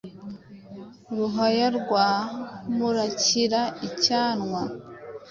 ruhaya rwa murarika icyanwa